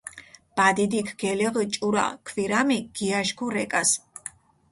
ბადიდიქ გელეღჷ ჭურა ქვირამი, გიაშქუ რეკას.